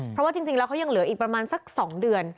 เพราะว่าจริงแล้วเขายังเหลืออีกประมาณสัก๒เดือน